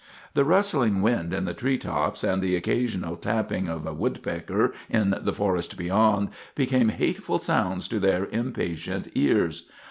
The rustling wind in the tree tops, and the occasional tapping of a woodpecker in the forest beyond, became hateful sounds to their impatient ears.